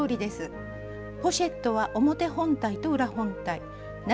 ポシェットは表本体と裏本体長